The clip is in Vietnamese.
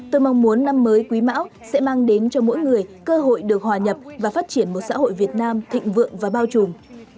tôi mong muốn năm mới quý mão sẽ mang đến cho mỗi người cơ hội được hòa nhập và phát triển một xã hội việt nam thịnh vượng và bao trùm